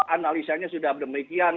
analisanya sudah demikian